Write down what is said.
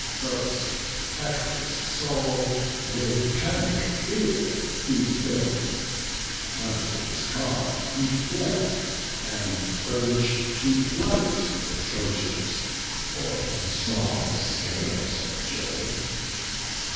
First Hector's soul with panic fear he fill'd; Mounting his car, he fled, and urg'd to flight The Trojans; for he saw the scales of Jove.